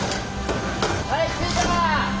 はいついた！